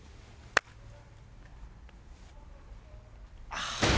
ああ。